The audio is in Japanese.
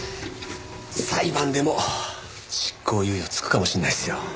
裁判でも執行猶予つくかもしれないっすよ。